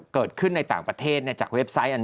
เกิดขึ้นในต่างประเทศจากเว็บไซต์